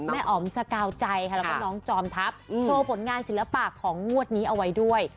อ๋อมสกาวใจค่ะแล้วก็น้องจอมทัพโชว์ผลงานศิลปะของงวดนี้เอาไว้ด้วย